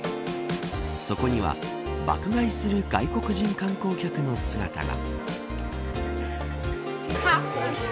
そこには、爆買いする外国人観光客の姿が。